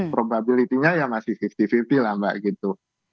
probability nya ya masih lima puluh lima puluh lah mbak gitu